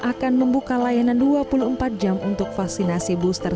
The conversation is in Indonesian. akan membuka layanan dua puluh empat jam untuk vaksinasi booster